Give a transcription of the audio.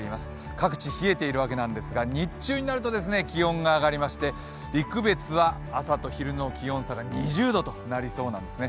各地冷えているわけなんですが、日中になると気温が上がりまして陸別は朝と昼の気温差が２０度となりそうなんですね。